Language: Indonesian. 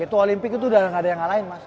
itu olimpik itu udah gak ada yang ngalahin mas